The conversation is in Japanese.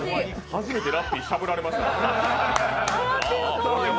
初めてラッピーしゃぶられましたよ。